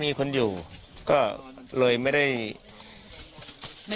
ทีมข่าวเราก็พยายามสอบปากคำในแหบนะครับ